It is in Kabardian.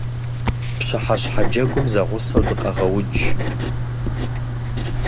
Пщыхьэщхьэ джэгум зэгъусэу дыкъэгъэудж.